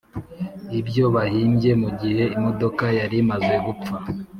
Ibyo bahimbye mu gihe imodoka yarimaze gupfa